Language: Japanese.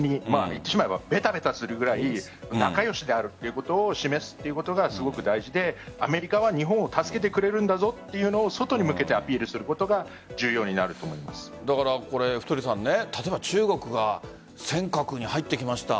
言ってしまえばべたべたするくらい仲良しであるということを示すということがすごく大事でアメリカは日本を助けてくれるんだぞというのを外に向けてアピールすることが例えば中国が尖閣に入ってきました